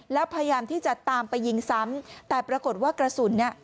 แล้วพยายามที่จะตามไปยิงซ้ำแต่ปรากฏว่ากระสุนเนี่ย